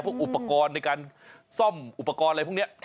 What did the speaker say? อุปกรณ์ในการซ่อมอุปกรณ์อะไรพวกนี้